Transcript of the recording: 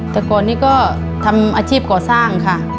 แต่ก่อนนี้ก็ทำอาชีพก่อสร้างค่ะ